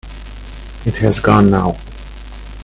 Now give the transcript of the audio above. It has gone now.